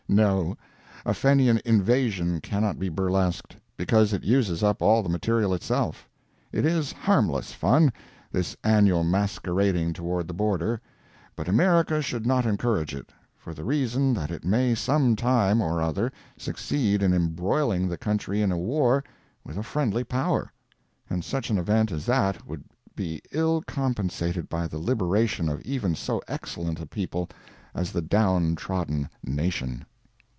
No, a Fenian "invasion" cannot be burlesqued, because it uses up all the material itself. It is harmless fun, this annual masquerading toward the border; but America should not encourage it, for the reason that it may some time or other succeed in embroiling the country in a war with a friendly power—and such an event as that would be ill compensated by the liberation of even so excellent a people as the Down trodden Nation.